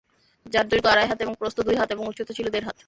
যার দৈর্ঘ্য আড়াই হাত এবং প্রস্থ দুই হাত এবং উচ্চতা ছিল দেড় হাত।